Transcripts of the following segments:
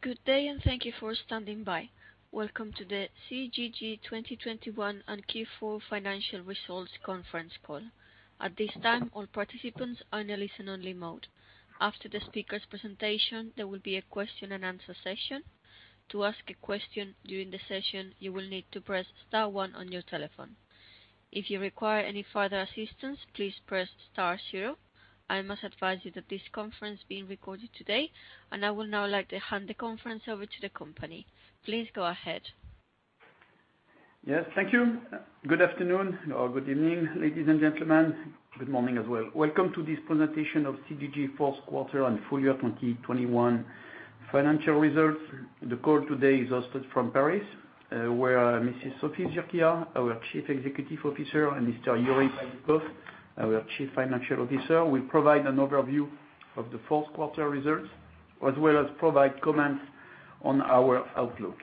Good day and thank you for standing by. Welcome to the CGG 2021 and Q4 Financial Results Conference Call. At this time, all participants are in a listen-only mode. After the speaker's presentation, there will be a question-and-answer session. To ask a question during the session, you will need to press star one on your telephone. If you require any further assistance, please press star zero. I must advise you that this conference is being recorded today. I would now like to hand the conference over to the company. Please go ahead. Yes, thank you. Good afternoon or good evening, ladies and gentlemen. Good morning as well. Welcome to this presentation of CGG Fourth Quarter and Full Year 2021 Financial Results. The call today is hosted from Paris, where Mrs. Sophie Zurquiyah, our Chief Executive Officer, and Mr. Yuri Baidoukov, our Chief Financial Officer, will provide an overview of the fourth quarter results, as well as provide comments on our outlook.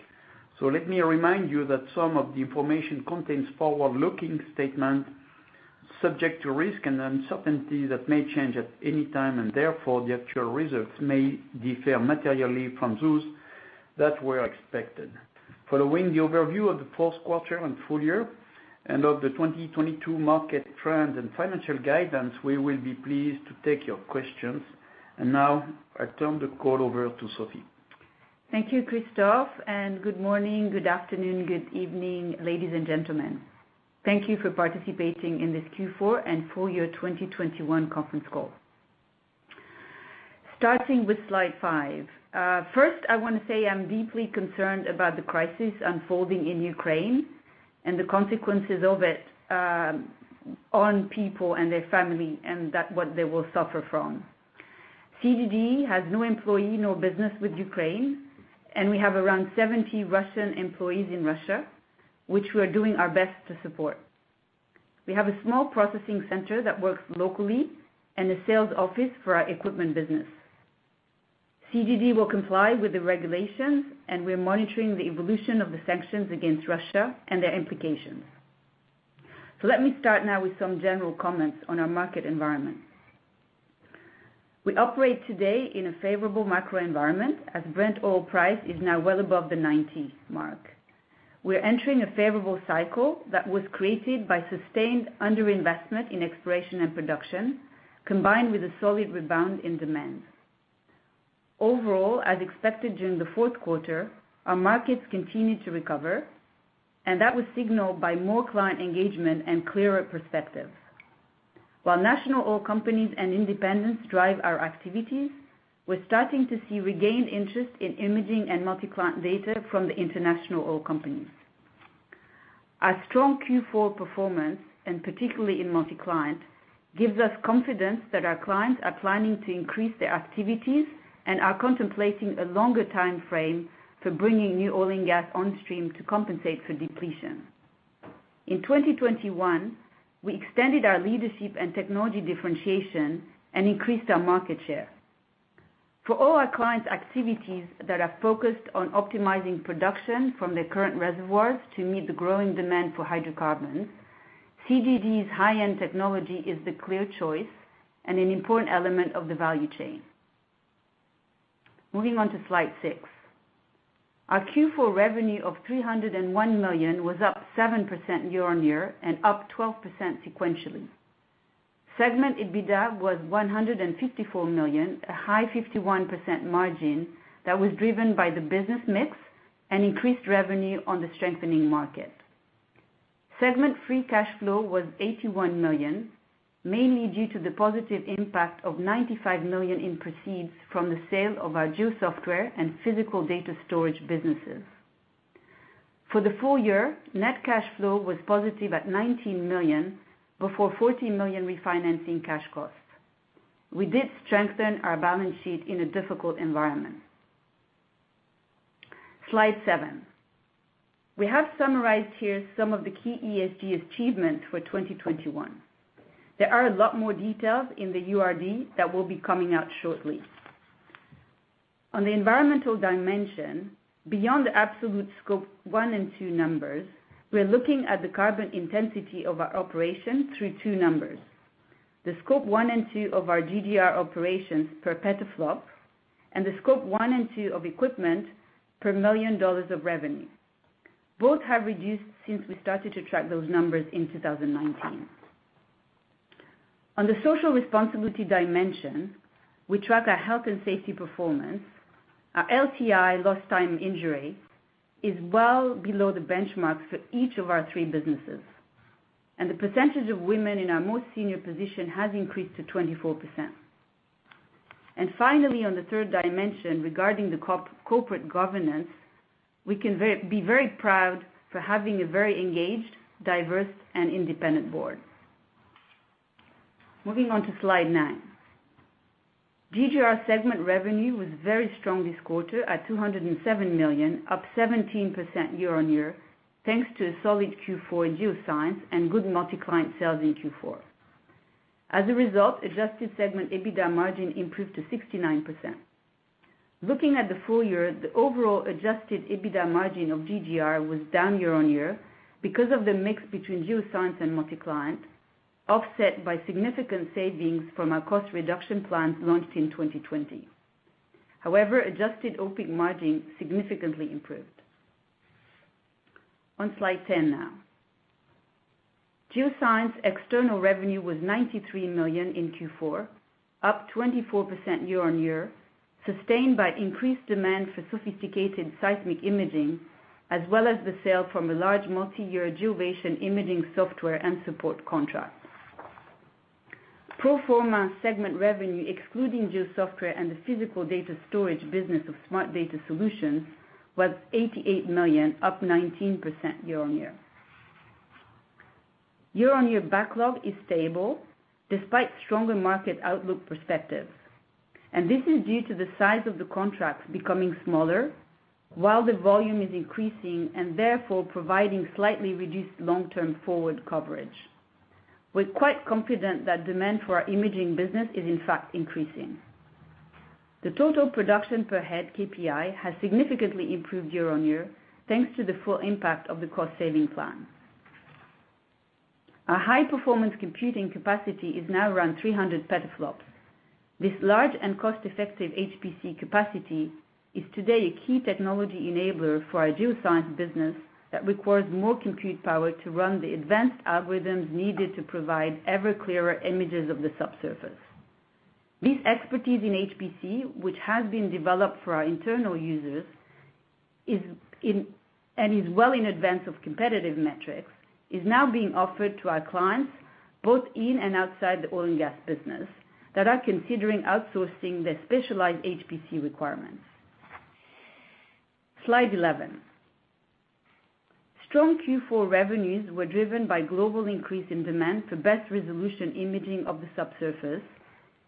Let me remind you that some of the information contains forward-looking statements subject to risks and uncertainties that may change at any time, and therefore the actual results may differ materially from those that were expected. Following the overview of the fourth quarter and full year and of the 2022 market trends and financial guidance, we will be pleased to take your questions. Now I turn the call over to Sophie. Thank you, Christophe, and good morning, good afternoon, good evening, ladies and gentlemen. Thank you for participating in this Q4 and full year 2021 conference call. Starting with slide five. First, I want to say I'm deeply concerned about the crisis unfolding in Ukraine and the consequences of it on people and their family and that what they will suffer from. CGG has no employee, no business with Ukraine, and we have around 70 Russian employees in Russia, which we are doing our best to support. We have a small processing center that works locally and a sales office for our equipment business. CGG will comply with the regulations, and we're monitoring the evolution of the sanctions against Russia and their implications. Let me start now with some general comments on our market environment. We operate today in a favorable macro environment, as Brent oil price is now well above the 90 mark. We're entering a favorable cycle that was created by sustained underinvestment in exploration and production, combined with a solid rebound in demand. Overall, as expected during the fourth quarter, our markets continued to recover, and that was signaled by more client engagement and clearer perspective. While national oil companies and independents drive our activities, we're starting to see regained interest in imaging and multi-client data from the international oil companies. Our strong Q4 performance, and particularly in multi-client, gives us confidence that our clients are planning to increase their activities and are contemplating a longer timeframe for bringing new oil and gas on stream to compensate for depletion. In 2021, we extended our leadership and technology differentiation and increased our market share. For all our clients' activities that are focused on optimizing production from their current reservoirs to meet the growing demand for hydrocarbons, CGG's high-end technology is the clear choice and an important element of the value chain. Moving on to slide six. Our Q4 revenue of 301 million was up 7% year-on-year and up 12% sequentially. Segment EBITDA was 154 million, a high 51% margin that was driven by the business mix and increased revenue on the strengthening market. Segment free cash flow was 81 million, mainly due to the positive impact of 95 million in proceeds from the sale of our geo software and physical data storage businesses. For the full year, net cash flow was positive at 19 million before 14 million refinancing cash costs. We did strengthen our balance sheet in a difficult environment. Slide seven. We have summarized here some of the key ESG achievements for 2021. There are a lot more details in the URD that will be coming out shortly. On the environmental dimension, beyond the absolute Scope 1 and 2 numbers, we are looking at the carbon intensity of our operation through two numbers: the Scope 1 and 2 of our GGR operations per petaflop and the Scope 1 and 2 of equipment per $1 million of revenue. Both have reduced since we started to track those numbers in 2019. On the social responsibility dimension, we track our health and safety performance. Our LTI, lost time injury, is well below the benchmarks for each of our three businesses. The percentage of women in our most senior position has increased to 24%. Finally, on the third dimension, regarding the corporate governance, we can be very proud for having a very engaged, diverse, and independent board. Moving on to slide nine. GGR segment revenue was very strong this quarter at 207 million, up 17% year-on-year, thanks to a solid Q4 geoscience and good multi-client sales in Q4. As a result, adjusted segment EBITDA margin improved to 69%. Looking at the full year, the overall adjusted EBITDA margin of GGR was down year-on-year because of the mix between geoscience and multi-client, offset by significant savings from our cost reduction plan launched in 2020. However, adjusted operating margin significantly improved. On slide 10 now. Geoscience external revenue was 93 million in Q4, up 24% year-on-year, sustained by increased demand for sophisticated seismic imaging as well as the sale from a large multi-year Geovation imaging software and support contract. Pro forma segment revenue, excluding geo software and the physical data storage business of Smart Data Solutions was 88 million, up 19% year-on-year. Year-on-year backlog is stable despite stronger market outlook perspective. This is due to the size of the contracts becoming smaller while the volume is increasing and therefore providing slightly reduced long-term forward coverage. We're quite confident that demand for our imaging business is in fact increasing. The total production per head KPI has significantly improved year-on-year, thanks to the full impact of the cost saving plan. Our high performance computing capacity is now around 300 petaflops. This large and cost-effective HPC capacity is today a key technology enabler for our geoscience business that requires more compute power to run the advanced algorithms needed to provide ever clearer images of the subsurface. This expertise in HPC, which has been developed for our internal users, is well in advance of competitive metrics, is now being offered to our clients both in and outside the oil and gas business that are considering outsourcing their specialized HPC requirements. Slide 11. Strong Q4 revenues were driven by global increase in demand for best resolution imaging of the subsurface,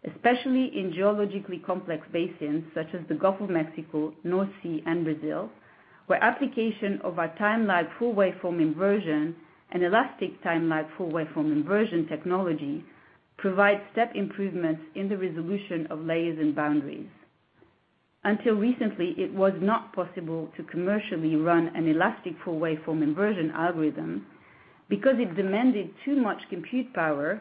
especially in geologically complex basins such as the Gulf of Mexico, North Sea, and Brazil, where application of our time-lapse Full-Waveform Inversion and elastic time-lapse Full-Waveform Inversion technology provides step improvements in the resolution of layers and boundaries. Until recently, it was not possible to commercially run an elastic Full-Waveform Inversion algorithm because it demanded too much compute power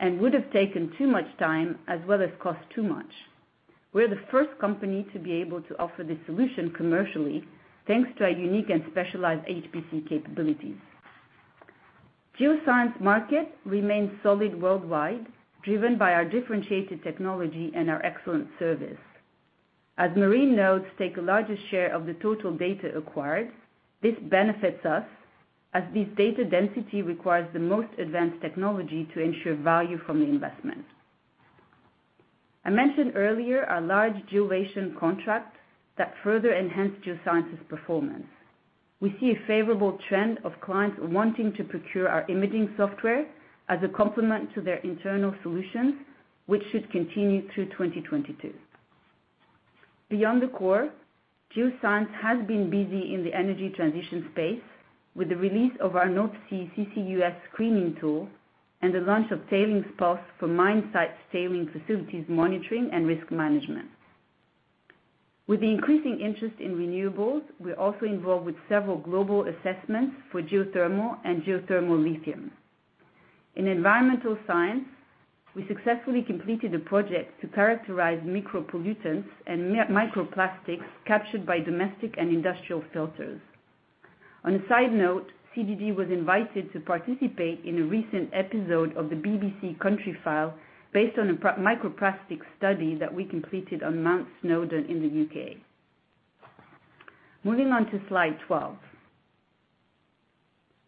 and would have taken too much time as well as cost too much. We're the first company to be able to offer this solution commercially thanks to our unique and specialized HPC capabilities. Geoscience market remains solid worldwide, driven by our differentiated technology and our excellent service. As marine nodes take a larger share of the total data acquired, this benefits us as this data density requires the most advanced technology to ensure value from the investment. I mentioned earlier our large Geovation contract that further enhanced Geoscience's performance. We see a favorable trend of clients wanting to procure our imaging software as a complement to their internal solutions, which should continue through 2022. Beyond the core, geoscience has been busy in the energy transition space with the release of our North Sea CCUS screening tool and the launch of TailingsPulse for mine site tailing facilities monitoring and risk management. With the increasing interest in renewables, we're also involved with several global assessments for geothermal and geothermal lithium. In environmental science, we successfully completed a project to characterize micropollutants and microplastics captured by domestic and industrial filters. On a side note, CGG was invited to participate in a recent episode of the BBC Countryfile based on a microplastics study that we completed on Mount Snowdon in the U.K. Moving on to slide 12.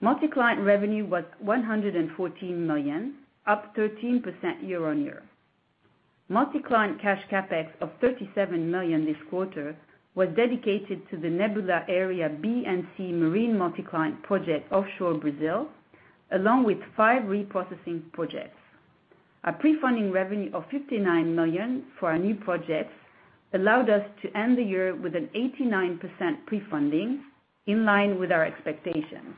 Multi-client revenue was 114 million, up 13% year-over-year. Multi-client cash CapEx of 37 million this quarter was dedicated to the Nebula Area B and C marine multi-client project offshore Brazil, along with five reprocessing projects. Our prefunding revenue of 59 million for our new projects allowed us to end the year with an 89% prefunding in line with our expectations.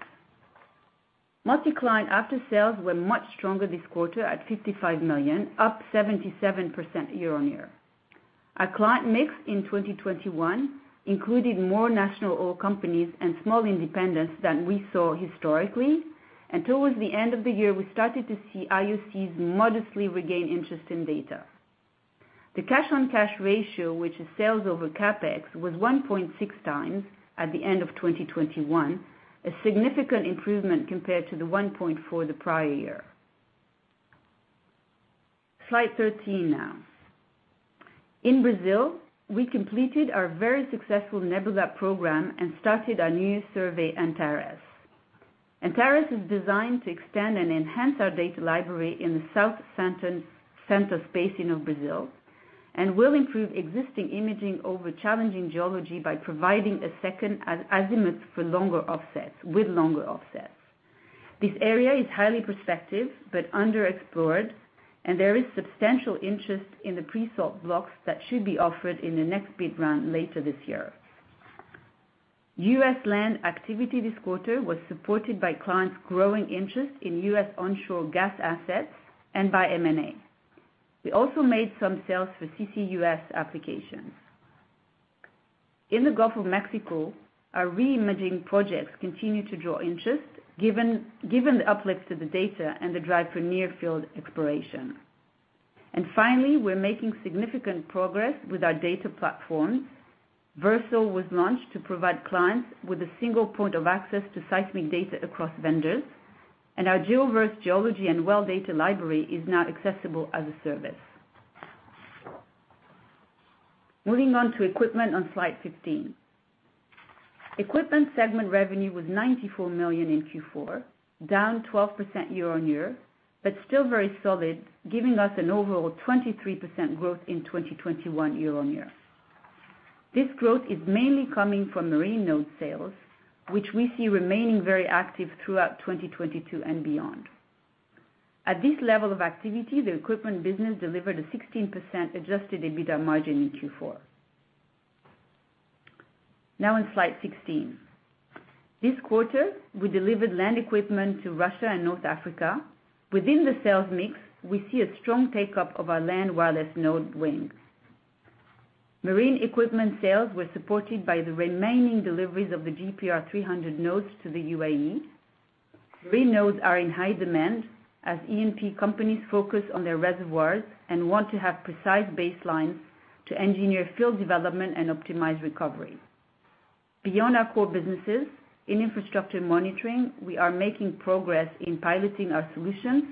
Multi-client after sales were much stronger this quarter at 55 million, up 77% year on year. Our client mix in 2021 included more national oil companies and small independents than we saw historically. Towards the end of the year, we started to see IOCs modestly regain interest in data. The cash on cash ratio, which is sales over CapEx, was 1.6x at the end of 2021, a significant improvement compared to the 1.4 the prior year. Slide 13 now. In Brazil, we completed our very successful Nebula program and started our new survey, Antares. Antares is designed to extend and enhance our data library in the Santos Basin of Brazil and will improve existing imaging over challenging geology by providing a second azimuth for longer offsets with longer offsets. This area is highly prospective but underexplored, and there is substantial interest in the pre-salt blocks that should be offered in the next bid round later this year. U.S. land activity this quarter was supported by clients' growing interest in U.S. onshore gas assets and by M&A. We also made some sales for CCUS applications. In the Gulf of Mexico, our re-imaging projects continue to draw interest given the uplift to the data and the drive for near field exploration. Finally, we're making significant progress with our data platforms. Versal was launched to provide clients with a single point of access to seismic data across vendors, and our GeoVerse geology and well data library is now accessible as a service. Moving on to equipment on slide 15. Equipment segment revenue was 94 million in Q4, down 12% year-on-year, but still very solid, giving us an overall 23% growth in 2021 year-on-year. This growth is mainly coming from marine node sales, which we see remaining very active throughout 2022 and beyond. At this level of activity, the equipment business delivered a 16% adjusted EBITDA margin in Q4. Now in slide 16. This quarter, we delivered land equipment to Russia and North Africa. Within the sales mix, we see a strong take-up of our land wireless node WiNG. Marine equipment sales were supported by the remaining deliveries of the GPR300 nodes to the UAE. These nodes are in high demand as E&P companies focus on their reservoirs and want to have precise baselines to engineer field development and optimize recovery. Beyond our core businesses, in infrastructure monitoring, we are making progress in piloting our solutions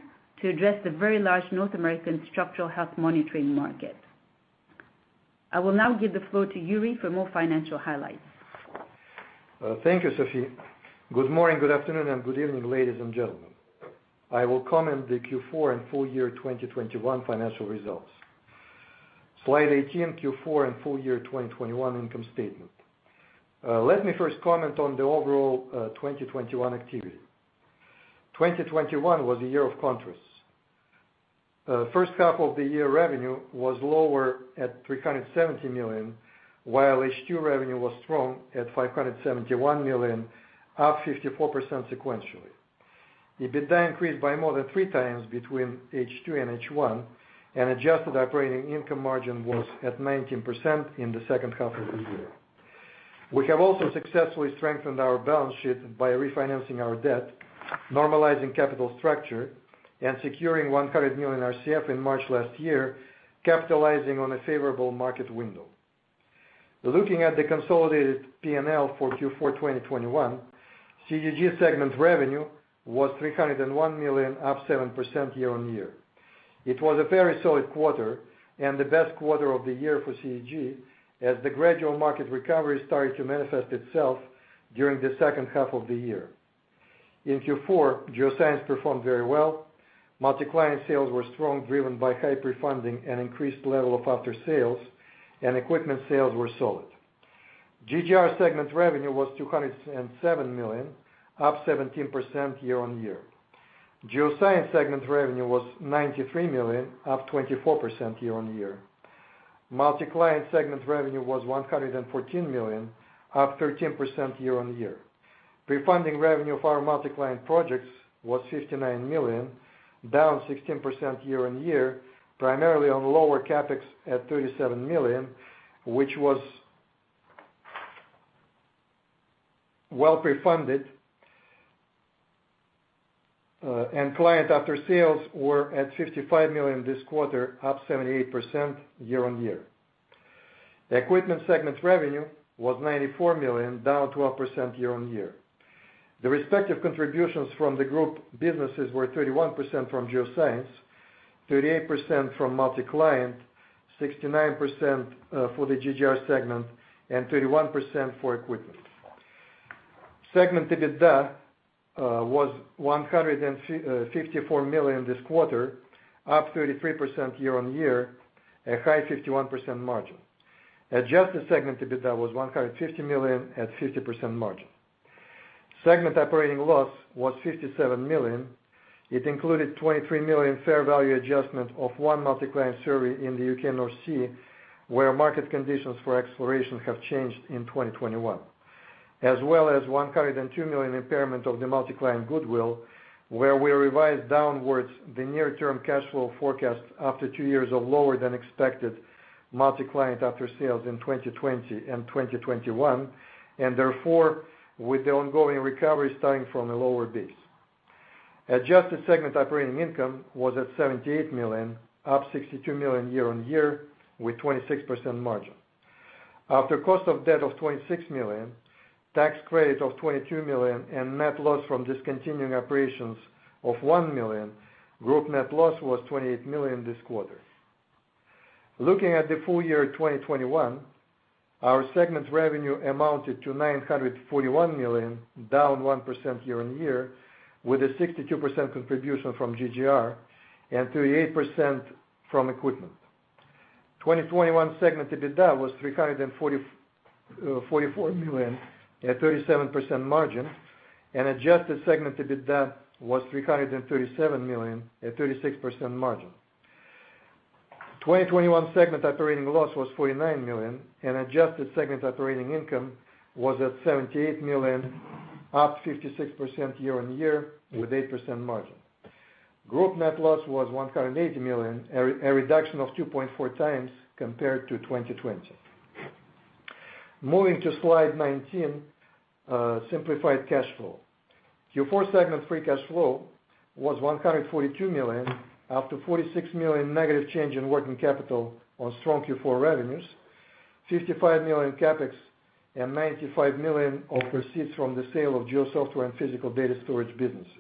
to address the very large North American structural health monitoring market. I will now give the floor to Yuri for more financial highlights. Thank you, Sophie. Good morning, good afternoon, and good evening, ladies and gentlemen. I will comment on the Q4 and full year 2021 financial results. Slide 18, Q4 and full year 2021 income statement. Let me first comment on the overall 2021 activity. 2021 was a year of contrasts. First half of the year revenue was lower at 370 million, while H2 revenue was strong at 571 million, up 54% sequentially. EBITDA increased by more than three times between H2 and H1, and adjusted operating income margin was at 19% in the second half of the year. We have also successfully strengthened our balance sheet by refinancing our debt, normalizing capital structure, and securing 100 million RCF in March last year, capitalizing on a favorable market window. Looking at the consolidated P&L for Q4 2021, CGG segment revenue was 301 million, up 7% year-on-year. It was a very solid quarter and the best quarter of the year for CGG as the gradual market recovery started to manifest itself during the second half of the year. In Q4, Geoscience performed very well. Multi-client sales were strong, driven by high prefunding and increased level of after sales, and equipment sales were solid. GGR segment revenue was 207 million, up 17% year-on-year. Geoscience segment revenue was 93 million, up 24% year-on-year. Multi-client segment revenue was 114 million, up 13% year-on-year. Prefunding revenue of our multi-client projects was 59 million, down 16% year-on-year, primarily due to lower CapEx at 37 million, which was well prefunded. Client after sales were at 55 million this quarter, up 78% year-on-year. The equipment segment revenue was 94 million, down 12% year-on-year. The respective contributions from the group businesses were 31% from geoscience, 38% from multi-client, 69%, for the GGR segment, and 31% for equipment. Segment EBITDA was 154 million this quarter, up 33% year-on-year, a high 51% margin. Adjusted segment EBITDA was 150 million at 50% margin. Segment operating loss was 57 million. It included 23 million fair value adjustment of one multi-client survey in the U.K. North Sea, where market conditions for exploration have changed in 2021, as well as 102 million impairment of the multi-client goodwill, where we revised downwards the near term cash flow forecast after two years of lower than expected multi-client after sales in 2020 and 2021, and therefore, with the ongoing recovery starting from a lower base. Adjusted segment operating income was at 78 million, up 62 million year-on-year with 26% margin. After cost of debt of 26 million, tax credit of 22 million, and net loss from discontinuing operations of 1 million, group net loss was 28 million this quarter. Looking at the full year 2021, our segment revenue amounted to 941 million, down 1% year-on-year, with a 62% contribution from GGR and 38% from equipment. 2021 segment EBITDA was 344 million at 37% margin, and adjusted segment EBITDA was 337 million margin. 2021 segment operating loss was 49 million, and adjusted segment operating income was at 78 million, up 56% year-on-year with 8% margin. Group net loss was 180 million, a reduction of 2.4x compared to 2020. Moving to slide 19, simplified cash flow. Q4 segment free cash flow was 142 million after 46 million negative change in working capital on strong Q4 revenues, 55 million CapEx, and 95 million of proceeds from the sale of geo software and physical data storage businesses.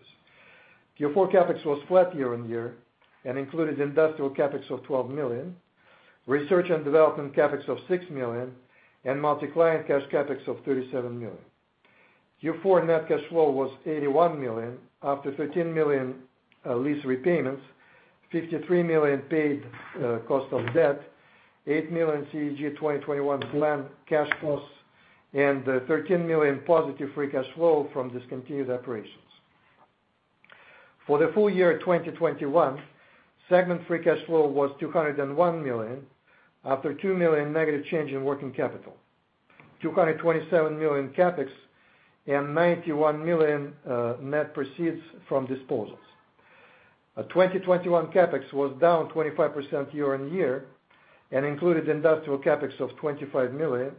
Q4 CapEx was flat year-on-year and included industrial CapEx of 12 million, research and development CapEx of 6 million, and multi-client cash CapEx of 37 million. Q4 net cash flow was 81 million after 13 million lease repayments, 53 million paid cost of debt, 8 million CGG 2021 plan cash costs, and 13 million positive free cash flow from discontinued operations. For the full year 2021, segment free cash flow was 201 million after 2 million negative change in working capital, 227 million CapEx, and 90 million net proceeds from disposals. 2021 CapEx was down 25% year on year and included industrial CapEx of 29 million,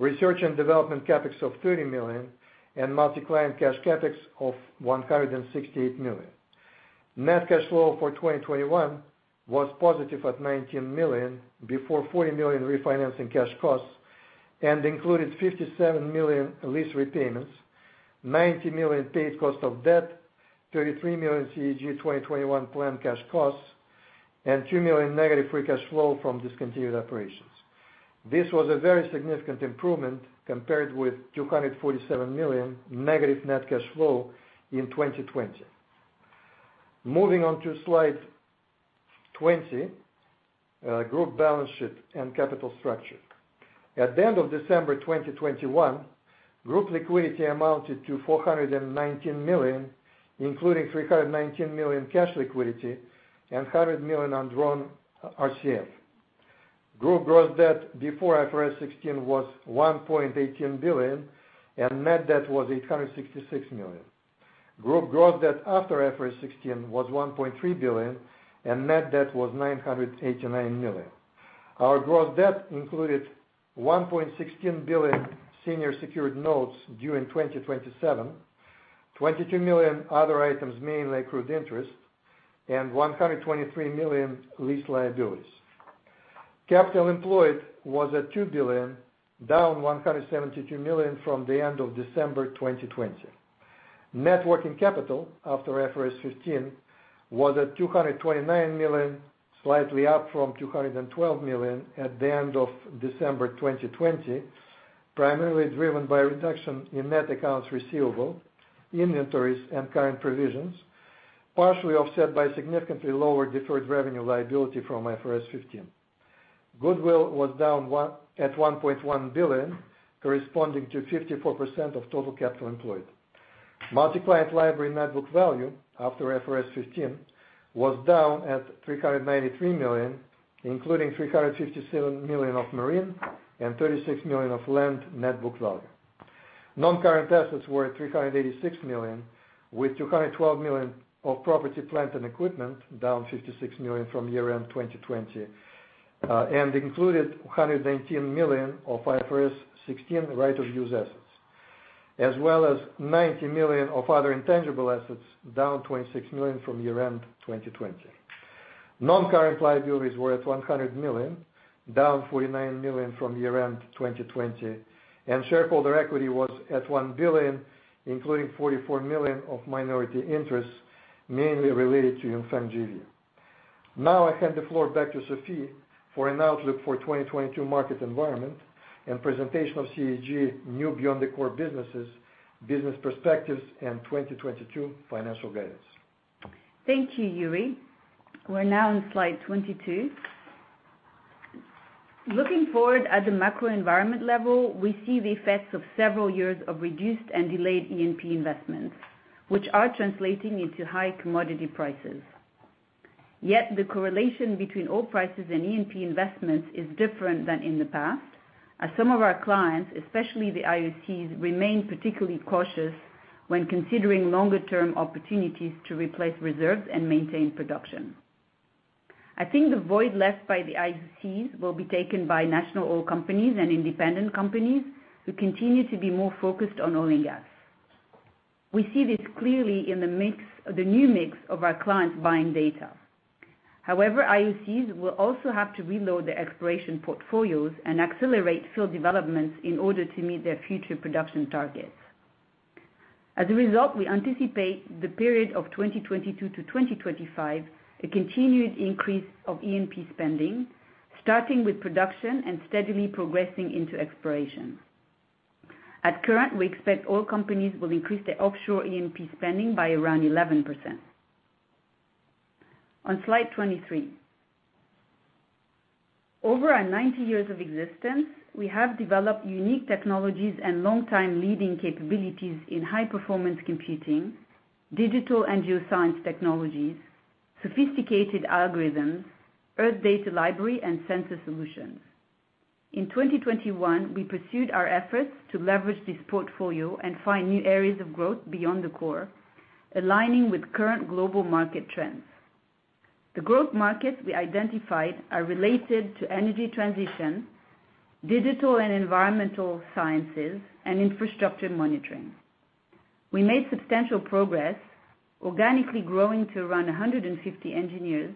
research and development CapEx of 30 million, and multi-client cash CapEx of 168 million. Net cash flow for 2021 was positive at 19 million before 40 million refinancing cash costs and included 57 million lease repayments, 90 million paid cost of debt, 33 million CGG 2021 plan cash costs, and 2 million negative free cash flow from discontinued operations. This was a very significant improvement compared with 247 million negative net cash flow in 2020. Moving on to slide 20, group balance sheet and capital structure. At the end of December 2021, group liquidity amounted to 419 million, including 319 million cash liquidity and 100 million undrawn RCF. Group gross debt before IFRS 16 was 1.18 billion, and net debt was 866 million. Group gross debt after IFRS 16 was 1.3 billion, and net debt was 989 million. Our gross debt included 1.16 billion senior secured notes due in 2027, 22 million other items, mainly accrued interest, and 123 million lease liabilities. Capital employed was at 2 billion, down 172 million from the end of December 2020. Net working capital after IFRS 15 was at 229 million, slightly up from 212 million at the end of December 2020, primarily driven by a reduction in net accounts receivable, inventories, and current provisions, partially offset by significantly lower deferred revenue liability from IFRS 15. Goodwill was down at 1.1 billion, corresponding to 54% of total capital employed. Multi-client library net book value after IFRS 15 was down at 393 million, including 357 million of marine and 36 million of land net book value. Non-current assets were at 386 million, with 212 million of property, plant, and equipment, down 56 million from year-end 2020, and included 118 million of IFRS 16 right-of-use assets, as well as 90 million of other intangible assets, down 26 million from year-end 2020. Non-current liabilities were at 100 million, down 49 million from year-end 2020, and shareholder equity was at 1 billion, including 44 million of minority interests mainly related to Sercel. Now I hand the floor back to Sophie for an outlook for 2022 market environment and presentation of CGG new beyond the core businesses, business perspectives and 2022 financial guidance. Thank you, Yuri. We're now on slide 22. Looking forward at the macro environment level, we see the effects of several years of reduced and delayed E&P investments, which are translating into high commodity prices. Yet the correlation between oil prices and E&P investments is different than in the past, as some of our clients, especially the IOCs, remain particularly cautious when considering longer term opportunities to replace reserves and maintain production. I think the void left by the IOCs will be taken by national oil companies and independent companies who continue to be more focused on oil and gas. We see this clearly in the mix, the new mix of our clients buying data. However, IOCs will also have to reload their exploration portfolios and accelerate field developments in order to meet their future production targets. As a result, we anticipate the period of 2022 to 2025, a continued increase of E&P spending, starting with production and steadily progressing into exploration. Currently, we expect oil companies will increase their offshore E&P spending by around 11%. On slide 23. Over our 90 years of existence, we have developed unique technologies and long-term leading capabilities in high-performance computing, digital and geoscience technologies, sophisticated algorithms, earth data library, and sensor solutions. In 2021, we pursued our efforts to leverage this portfolio and find new areas of growth beyond the core, aligning with current global market trends. The growth markets we identified are related to energy transition, digital and environmental sciences, and infrastructure monitoring. We made substantial progress, organically growing to around 150 engineers,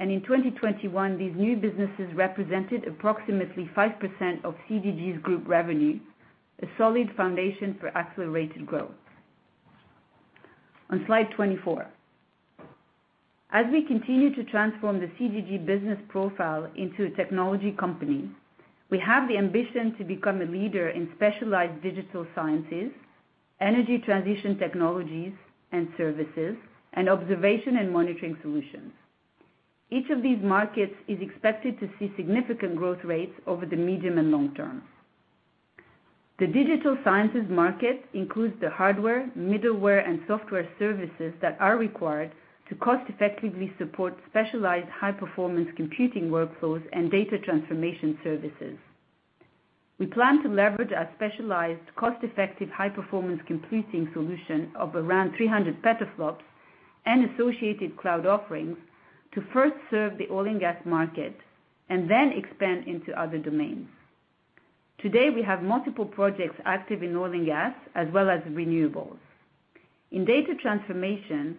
and in 2021, these new businesses represented approximately 5% of CGG's group revenue, a solid foundation for accelerated growth. On slide 24, as we continue to transform the CGG business profile into a technology company, we have the ambition to become a leader in specialized digital sciences, energy transition technologies and services, and observation and monitoring solutions. Each of these markets is expected to see significant growth rates over the medium and long term. The digital sciences market includes the hardware, middleware, and software services that are required to cost-effectively support specialized high-performance computing workflows and data transformation services. We plan to leverage our specialized cost-effective high-performance computing solution of around 300 petaflops and associated cloud offerings to first serve the oil and gas market and then expand into other domains. Today, we have multiple projects active in oil and gas as well as renewables. In data transformation,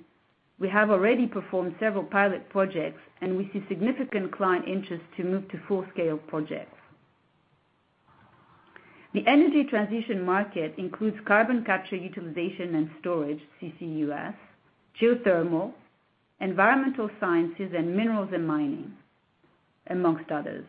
we have already performed several pilot projects, and we see significant client interest to move to full-scale projects. The energy transition market includes carbon capture utilization and storage, CCUS, geothermal, environmental sciences, and minerals and mining, among others.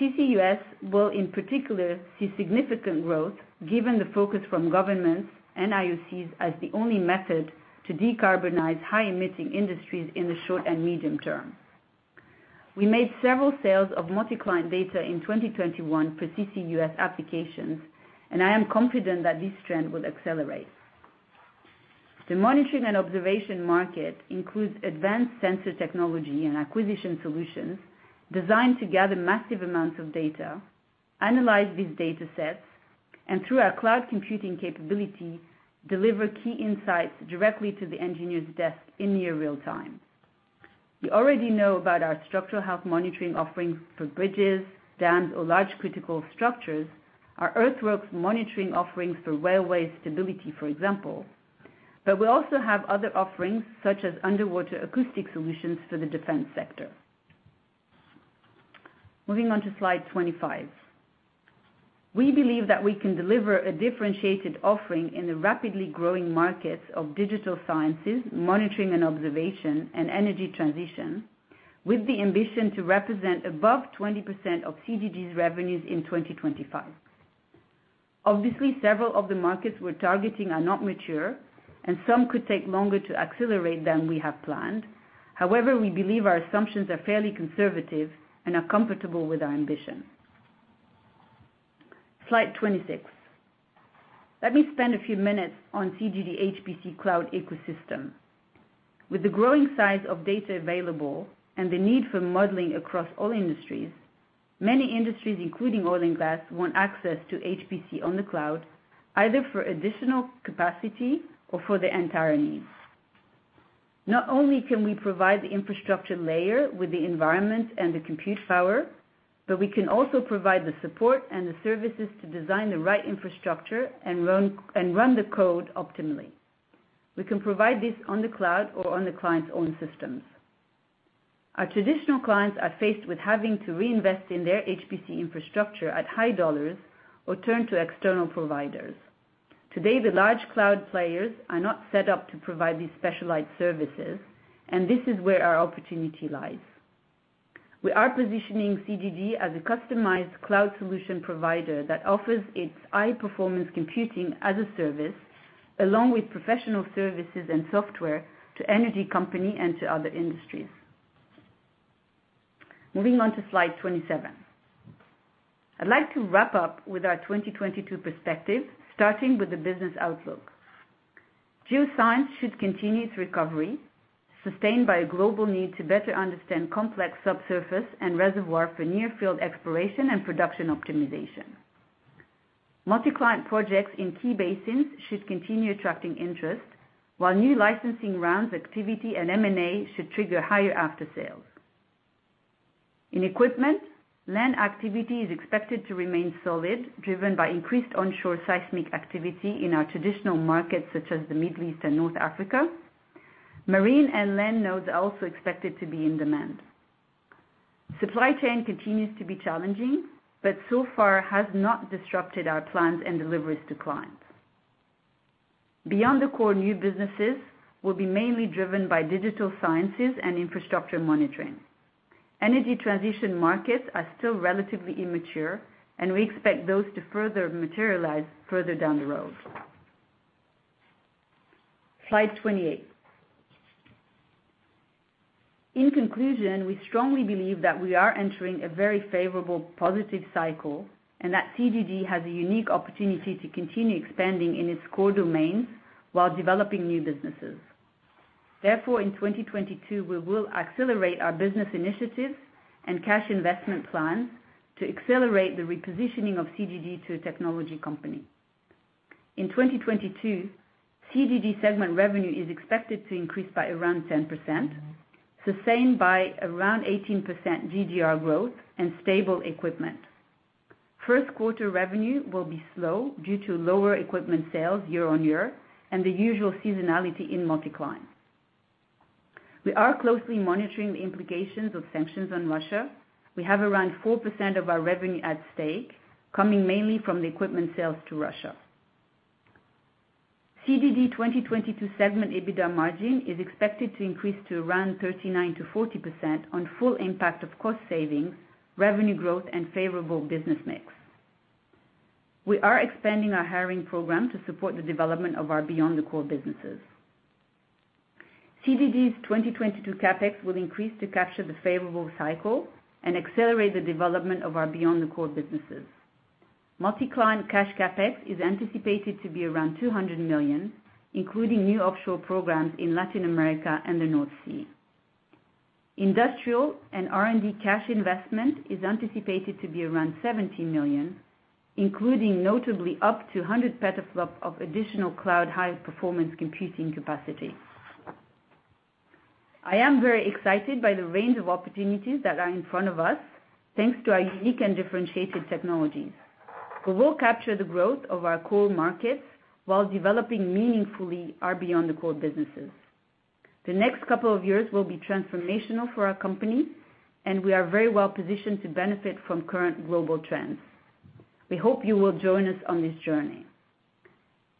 CCUS will, in particular, see significant growth given the focus from governments and IOCs as the only method to decarbonize high-emitting industries in the short and medium term. We made several sales of multi-client data in 2021 for CCUS applications, and I am confident that this trend will accelerate. The monitoring and observation market includes advanced sensor technology and acquisition solutions designed to gather massive amounts of data, analyze these datasets, and through our cloud computing capability, deliver key insights directly to the engineer's desk in near real time. You already know about our structural health monitoring offerings for bridges, dams or large critical structures, our earthworks monitoring offerings for railway stability, for example, but we also have other offerings such as underwater acoustic solutions for the defense sector. Moving on to slide 25. We believe that we can deliver a differentiated offering in the rapidly growing markets of digital sciences, monitoring and observation, and energy transition with the ambition to represent above 20% of CGG's revenues in 2025. Obviously, several of the markets we're targeting are not mature, and some could take longer to accelerate than we have planned. However, we believe our assumptions are fairly conservative and are comfortable with our ambition. Slide 26. Let me spend a few minutes on CGG HPC cloud ecosystem. With the growing size of data available and the need for modeling across all industries, many industries, including oil and gas, want access to HPC on the cloud, either for additional capacity or for their entire needs. Not only can we provide the infrastructure layer with the environment and the compute power, but we can also provide the support and the services to design the right infrastructure and run the code optimally. We can provide this on the cloud or on the client's own systems. Our traditional clients are faced with having to reinvest in their HPC infrastructure at high dollars or turn to external providers. Today, the large cloud players are not set up to provide these specialized services, and this is where our opportunity lies. We are positioning CGG as a customized cloud solution provider that offers its high-performance computing as a service along with professional services and software to energy company and to other industries. Moving on to slide 27. I'd like to wrap up with our 2022 perspective, starting with the business outlook. Geoscience should continue its recovery, sustained by a global need to better understand complex subsurface and reservoir for near field exploration and production optimization. Multi-client projects in key basins should continue attracting interest while new licensing rounds activity and M&A should trigger higher after-sales. In equipment, land activity is expected to remain solid, driven by increased onshore seismic activity in our traditional markets such as the Middle East and North Africa. Marine and land nodes are also expected to be in demand. Supply chain continues to be challenging, but so far has not disrupted our plans and deliveries to clients. Beyond the core, new businesses will be mainly driven by digital sciences and infrastructure monitoring. Energy transition markets are still relatively immature, and we expect those to further materialize further down the road. Slide 28. In conclusion, we strongly believe that we are entering a very favorable positive cycle and that CGG has a unique opportunity to continue expanding in its core domains while developing new businesses. Therefore, in 2022, we will accelerate our business initiatives and cash investment plans to accelerate the repositioning of CGG to a technology company. In 2022, CGG segment revenue is expected to increase by around 10%, sustained by around 18% GGR growth and stable equipment. First quarter revenue will be slow due to lower equipment sales year-on-year and the usual seasonality in multi-client. We are closely monitoring the implications of sanctions on Russia. We have around 4% of our revenue at stake, coming mainly from the equipment sales to Russia. CGG 2022 segment EBITDA margin is expected to increase to around 39%-40% on full impact of cost savings, revenue growth and favorable business mix. We are expanding our hiring program to support the development of our beyond the core businesses. CGG's 2022 CapEx will increase to capture the favorable cycle and accelerate the development of our beyond the core businesses. Multi-client cash CapEx is anticipated to be around 200 million, including new offshore programs in Latin America and the North Sea. Industrial and R&D cash investment is anticipated to be around 70 million, including notably up to 100 petaflops of additional cloud high-performance computing capacity. I am very excited by the range of opportunities that are in front of us, thanks to our unique and differentiated technologies. We will capture the growth of our core markets while developing meaningfully our beyond the core businesses. The next couple of years will be transformational for our company, and we are very well positioned to benefit from current global trends. We hope you will join us on this journey.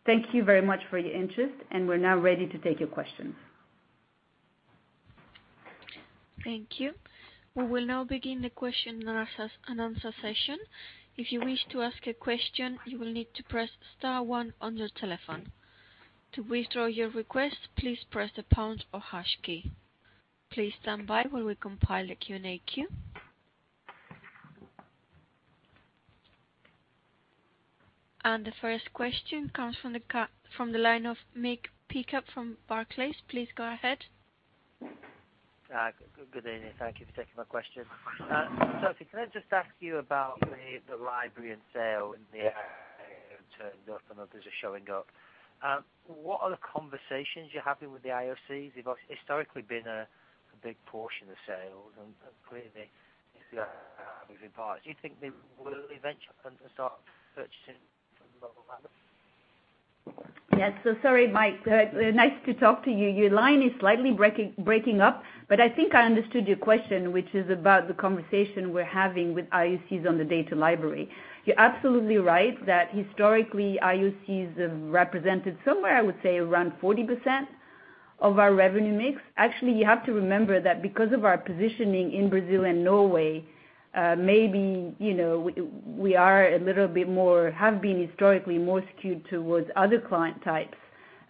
Thank you very much for your interest, and we're now ready to take your questions. Thank you. We will now begin the question and answers session. If you wish to ask a question, you will need to press star one on your telephone. To withdraw your request, please press the pound or hash key. Please stand by while we compile the Q&A queue. The first question comes from the line of Mick Pickup from Barclays. Please go ahead. Good evening. Thank you for taking my question. Sophie, can I just ask you about the library and sales in the turnaround and others are showing up. What are the conversations you're having with the IOCs? They've historically been a big portion of sales and clearly moving parts. Do you think they will eventually start purchasing from global partners? Sorry, Mick. Nice to talk to you. Your line is slightly breaking up, but I think I understood your question, which is about the conversation we're having with IOCs on the data library. You're absolutely right that historically IOCs have represented somewhere, I would say, around 40% of our revenue mix. Actually, you have to remember that because of our positioning in Brazil and Norway, maybe, you know, we are a little bit more, have been historically more skewed towards other client types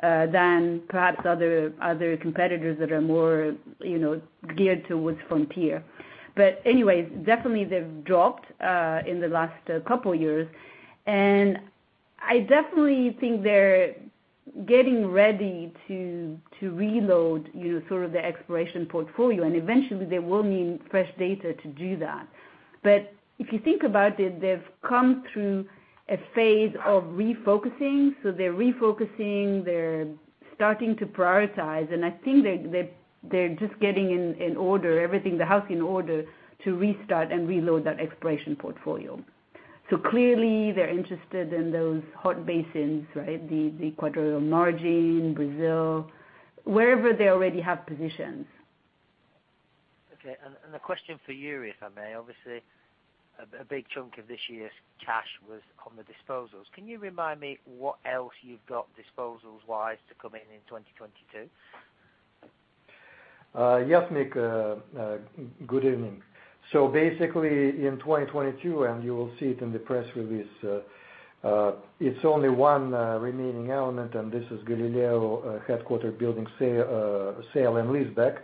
than perhaps other competitors that are more, you know, geared towards frontier. Anyways, definitely they've dropped in the last couple years. I definitely think they're getting ready to reload sort of the exploration portfolio, and eventually they will need fresh data to do that. If you think about it, they've come through a phase of refocusing. They're refocusing, they're starting to prioritize, and I think they're just getting in order, everything, the house in order to restart and reload that exploration portfolio. Clearly they're interested in those hot basins, right? The Equatorial Margin, Brazil, wherever they already have positions. Okay. A question for you, if I may. Obviously a big chunk of this year's cash was on the disposals. Can you remind me what else you've got disposals-wise to come in in 2022? Yes, Mick. Good evening. Basically in 2022, and you will see it in the press release, it's only one remaining element, and this is Galileo headquarters building sale and leaseback.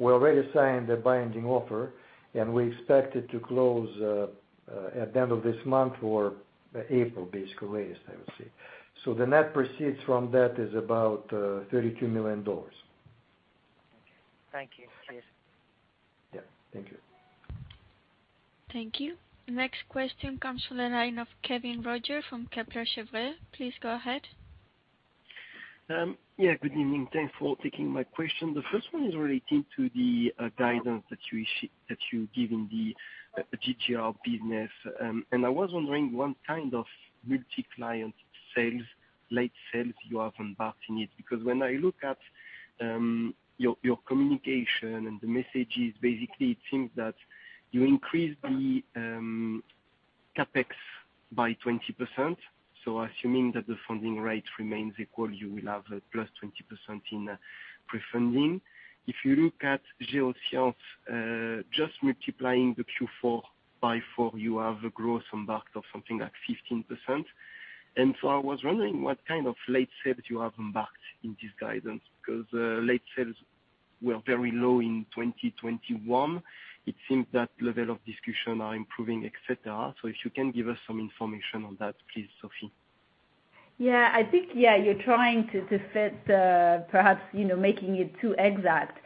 We already signed a binding offer, and we expect it to close at the end of this month or April, basically, latest, I would say. The net proceeds from that is about $32 million. Okay. Thank you. Cheers. Yeah. Thank you. Thank you. Next question comes from the line of Kevin Roger from Kepler Cheuvreux. Please go ahead. Yeah, good evening. Thanks for taking my question. The first one is relating to the guidance that you issued in the GGR business. I was wondering what kind of multi-client sales, late sales you have baked in it. Because when I look at your communication and the messages, basically it seems that you increased the CapEx by 20%. Assuming that the funding rate remains equal, you will have a +20% in prefunding. If you look at Geosciences, just multiplying the Q4 by four, you have an embedded growth of something like 15%. I was wondering what kind of late sales you have baked in this guidance, because late sales were very low in 2021. It seems that levels of discussion are improving, et cetera. If you can give us some information on that, please, Sophie. Yeah, I think, yeah, you're trying to fit, perhaps, you know, making it too exact.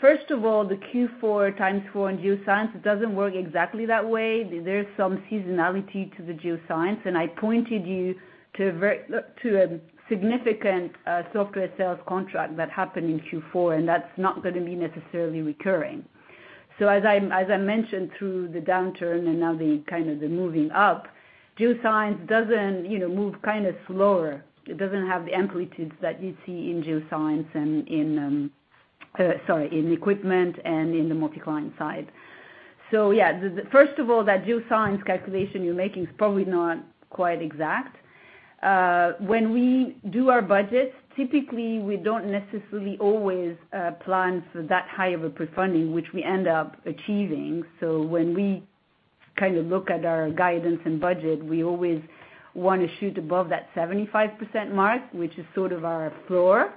First of all, the Q4 times four in geoscience, it doesn't work exactly that way. There's some seasonality to the geoscience, and I pointed you to a significant software sales contract that happened in Q4, and that's not gonna be necessarily recurring. As I mentioned through the downturn and now the kind of the moving up, geoscience doesn't, you know, move kind of slower. It doesn't have the amplitudes that you'd see in geoscience and in equipment and in the multi-client side. Yeah, first of all, that geoscience calculation you're making is probably not quite exact. When we do our budgets, typically we don't necessarily always plan for that high of a prefunding, which we end up achieving. When we kind of look at our guidance and budget, we always wanna shoot above that 75% mark, which is sort of our floor.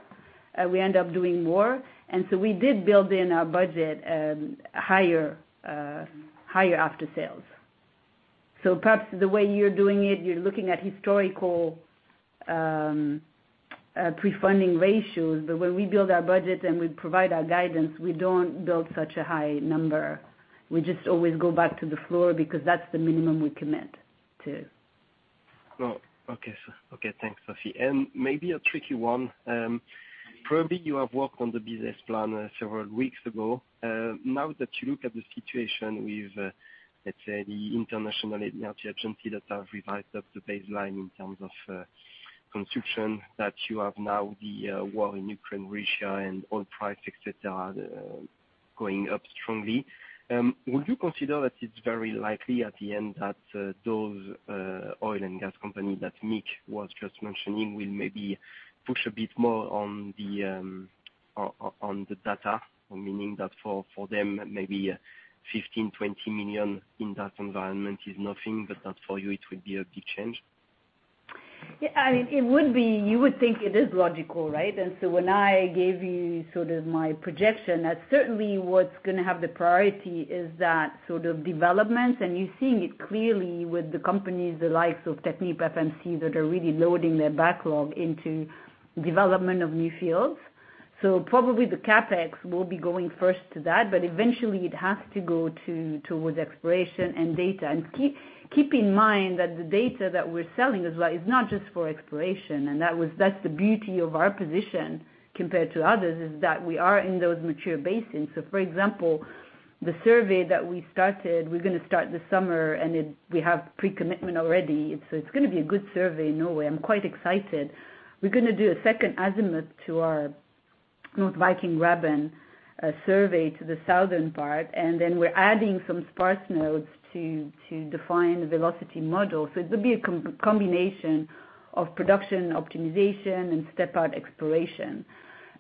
We end up doing more. We did build in our budget higher after sales. Perhaps the way you're doing it, you're looking at historical prefunding ratios, but when we build our budget and we provide our guidance, we don't build such a high number. We just always go back to the floor because that's the minimum we commit to. Thanks, Sophie. Maybe a tricky one. Probably you have worked on the business plan several weeks ago. Now that you look at the situation with, let's say, the International Energy Agency that have revised up the baseline in terms of consumption that you have now the war in Ukraine, Russia and oil prices, etc., going up strongly, would you consider that it's very likely at the end that those oil and gas companies that Mick was just mentioning will maybe push a bit more on the data? Meaning that for them, maybe 15 million-20 million in that environment is nothing but for you it would be a big change. Yeah, I mean, it would be. You would think it is logical, right? When I gave you sort of my projection, that's certainly what's gonna have the priority is that sort of development. You're seeing it clearly with the companies, the likes of TechnipFMC, that are really loading their backlog into development of new fields. Probably the CapEx will be going first to that, but eventually it has to go towards exploration and data. Keep in mind that the data that we're selling as well is not just for exploration. That's the beauty of our position compared to others, is that we are in those mature basins. For example, the survey that we're gonna start this summer, and we have pre-commitment already. It's gonna be a good survey in a way. I'm quite excited. We're gonna do a second azimuth to our Northern Viking Graben survey to the southern part, and then we're adding some sparse nodes to define the velocity model. It'll be a combination of production optimization and step-out exploration.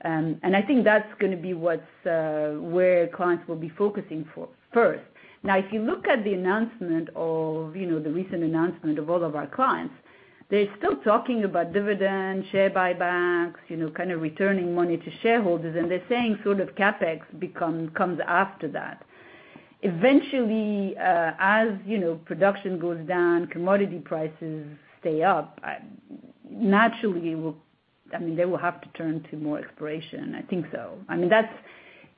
I think that's gonna be what's where clients will be focusing first. Now, if you look at the announcement of, you know, the recent announcement of all of our clients, they're still talking about dividend, share buybacks, you know, kind of returning money to shareholders, and they're saying sort of CapEx comes after that. Eventually, as you know, production goes down, commodity prices stay up, naturally will, I mean, they will have to turn to more exploration. I think so. I mean, that's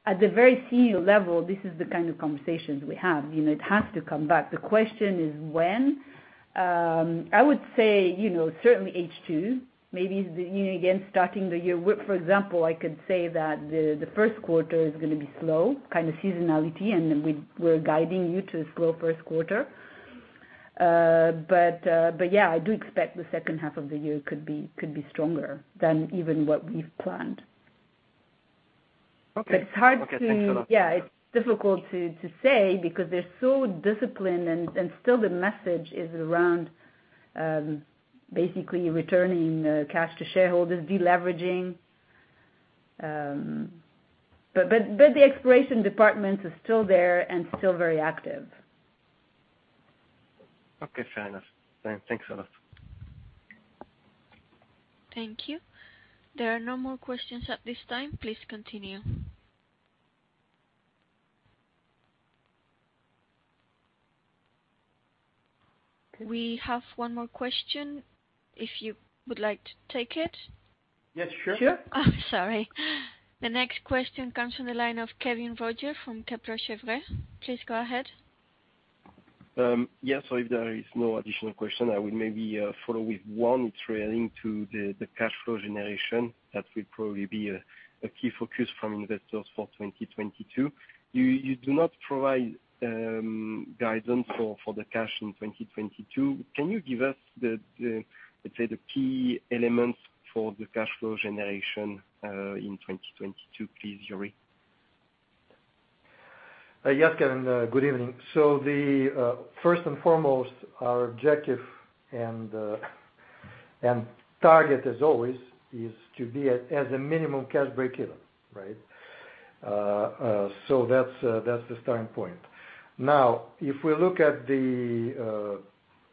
at the very senior level, this is the kind of conversations we have. You know, it has to come back. The question is when. I would say, you know, certainly H2, maybe, you know, again, starting the year. For example, I could say that the first quarter is gonna be slow, kind of seasonality, and we're guiding you to a slow first quarter. Yeah, I do expect the second half of the year could be stronger than even what we've planned. Okay. But it's hard to- Okay. Thanks a lot. Yeah. It's difficult to say because they're so disciplined and still the message is around basically returning cash to shareholders, de-leveraging. The exploration department is still there and still very active. Okay, fair enough. Thanks a lot. Thank you. There are no more questions at this time. Please continue. We have one more question if you would like to take it. Yes, sure. Sure? Oh, sorry. The next question comes from the line of Kevin Roger from Kepler Cheuvreux. Please go ahead. Yeah, if there is no additional question, I would maybe follow with one trailing to the cash flow generation. That will probably be a key focus from investors for 2022. You do not provide guidance for the cash flow in 2022. Can you give us, let's say, the key elements for the cash flow generation in 2022, please, Yuri? Yes, Kevin, good evening. The first and foremost, our objective and target as always is to be at, as a minimum, cash breakeven, right? That's the starting point. Now, if we look at the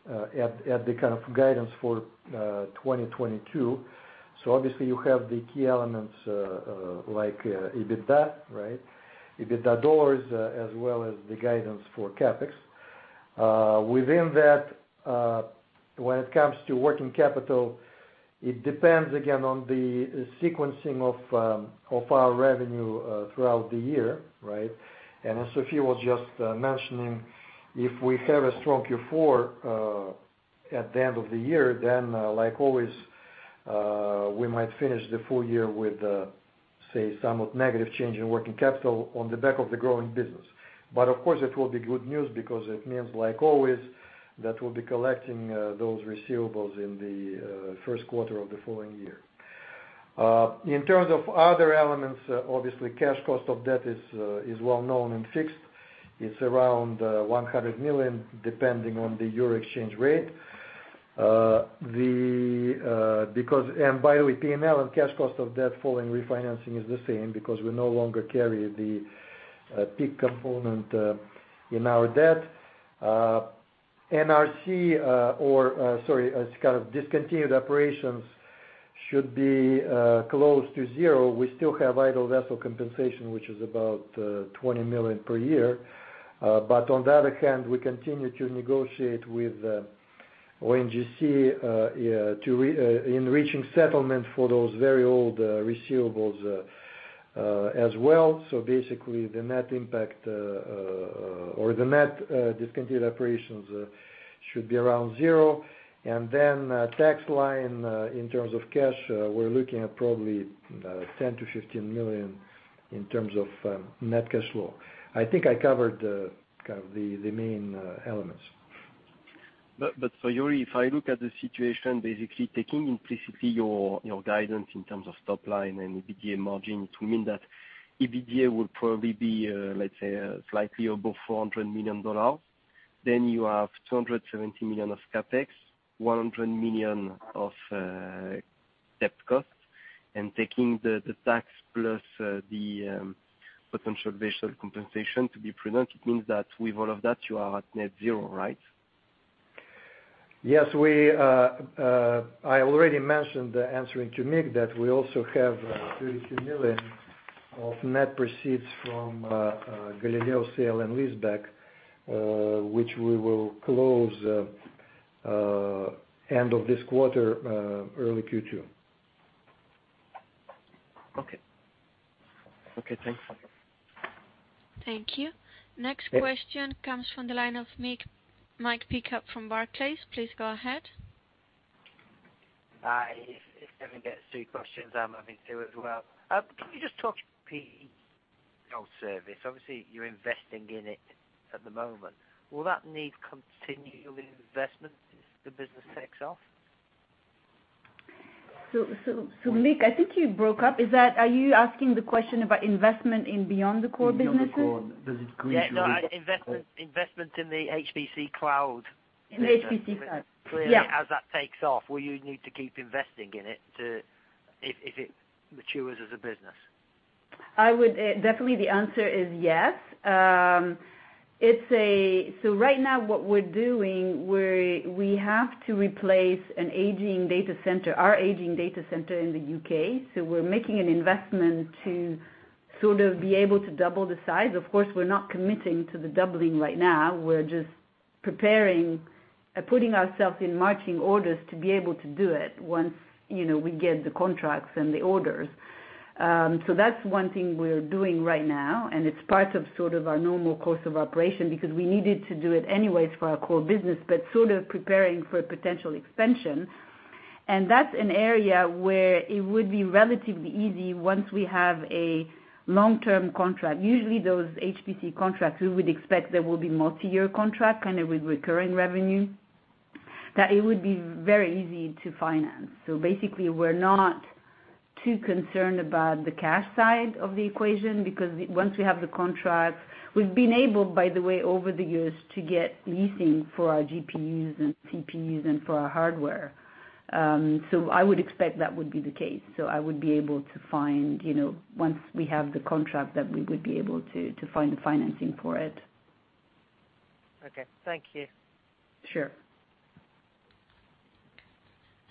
kind of guidance for 2022. Obviously you have the key elements, like EBITDA, right? EBITDA dollars, as well as the guidance for CapEx. Within that, when it comes to working capital, it depends again on the sequencing of our revenue throughout the year, right? As Sophie was just mentioning, if we have a strong Q4 at the end of the year, then like always, we might finish the full year with say some negative change in working capital on the back of the growing business. Of course, it will be good news because it means like always, that we'll be collecting those receivables in the first quarter of the following year. In terms of other elements, obviously cash cost of debt is well known and fixed. It's around 100 million, depending on the euro exchange rate. By the way, P&L and cash cost of debt following refinancing is the same because we no longer carry the peak component in our debt. Discontinued operations should be close to zero. We still have idle vessel compensation, which is about 20 million per year. But on the other hand, we continue to negotiate with ONGC, yeah, to reach a settlement for those very old receivables as well. Basically the net impact or the net discontinued operations should be around zero. Then tax line in terms of cash, we're looking at probably 10 million-15 million in terms of net cash flow. I think I covered kind of the main elements. Yuri, if I look at the situation, basically taking implicitly your guidance in terms of top line and EBITDA margin to mean that EBITDA will probably be, let's say, slightly above $400 million, then you have $270 million of CapEx, $100 million of debt costs, and taking the tax plus the potential base of compensation to be prudent, it means that with all of that, you are at net zero, right? Yes. I already mentioned answering to Mick that we also have $32 million of net proceeds from the Galileo sale and leaseback, which we will close end of this quarter, early Q2. Okay, thanks. Thank you. Next question comes from the line of Mick Pickup from Barclays. Please go ahead. Hi, if Kevin gets two questions, I'm having two as well. Can you just talk HPC cloud service? Obviously, you're investing in it at the moment. Will that need continual investments as the business takes off? Mick, I think you broke up. Is that, are you asking the question about investment in beyond the core businesses? Beyond the core. Yeah. No, investment in the HPC cloud. In HPC cloud. Yeah. Clearly, as that takes off, will you need to keep investing in it to if it matures as a business? I would definitely, the answer is yes. Right now what we're doing, we have to replace our aging data center in the U.K. We're making an investment to sort of be able to double the size. Of course, we're not committing to the doubling right now. We're just preparing, putting ourselves in marching orders to be able to do it once, you know, we get the contracts and the orders. That's one thing we're doing right now, and it's part of sort of our normal cost of operation because we needed to do it anyways for our core business, but sort of preparing for a potential expansion. That's an area where it would be relatively easy once we have a long-term contract. Usually, those HPC contracts, we would expect there will be multiyear contract, kind of with recurring revenue, that it would be very easy to finance. Basically, we're not too concerned about the cash side of the equation because once we have the contract. We've been able, by the way, over the years, to get leasing for our GPUs and CPUs and for our hardware. I would expect that would be the case. I would be able to find, you know, once we have the contract that we would be able to find the financing for it. Okay. Thank you. Sure.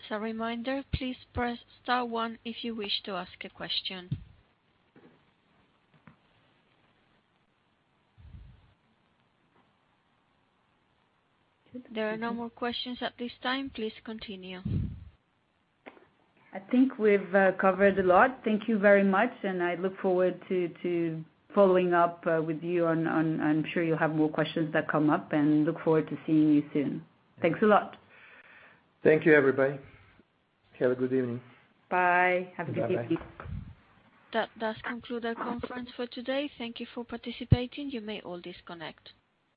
So reminder, please press star one if you wish to ask a question. There are no more questions at this time. Please continue. I think we've covered a lot. Thank you very much, and I look forward to following up with you. I'm sure you'll have more questions that come up, and look forward to seeing you soon. Thanks a lot. Thank you, everybody. Have a good evening. Bye. Have a good evening. That does conclude our conference for today. Thank you for participating. You may all disconnect.